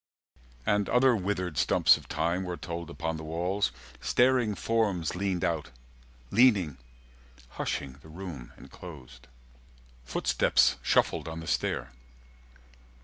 And other withered stumps of time Were told upon the walls; staring forms Leaned out, leaning, hushing the room enclosed. Footsteps shuffled on the stair.